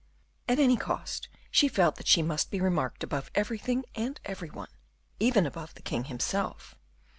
At any cost she felt that she must be remarked above everything and every one, even above the king himself.